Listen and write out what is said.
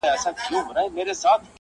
دا کيسه پوښتنه پرېږدي تل تل,